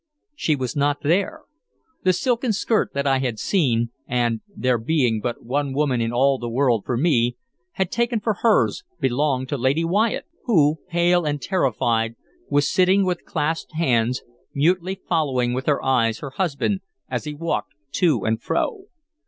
She was not there. The silken skirt that I had seen, and there being but one woman in all the world for me had taken for hers, belonged to Lady Wyatt, who, pale and terrified, was sitting with clasped hands, mutely following with her eyes her husband as he walked to and fro.